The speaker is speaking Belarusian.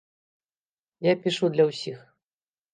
Я пішу для ўсіх.